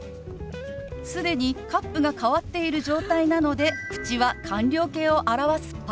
既にカップが変わっている状態なので口は完了形を表す「パ」。